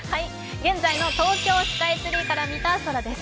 現在の東京スカイツリーから見た空です。